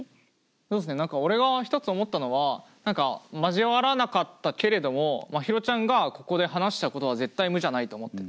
そうすね何か俺が一つ思ったのは何か交わらなかったけれどもまひろちゃんがここで話したことは絶対無じゃないと思ってて。